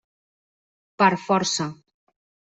Per força.